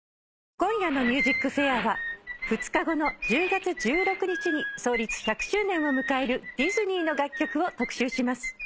今夜の『ＭＵＳＩＣＦＡＩＲ』は２日後の１０月１６日に創立１００周年を迎えるティズニーの楽曲を特集します。